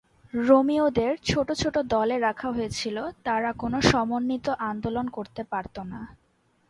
রোমীয়দের ছোট ছোট দলে রাখা হয়েছিল, তারা কোনো সমন্বিত আন্দোলন করতে পারত না।